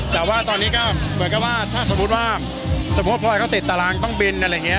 แต่ว่าตอนนี้ก็เหมือนกับว่าถ้าสมมุติว่าเฉพาะพลอยเขาติดตารางต้องบินอะไรอย่างนี้